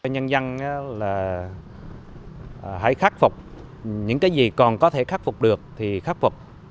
nhân dân là hãy khắc phục những cái gì còn có thể khắc phục được thì khắc phục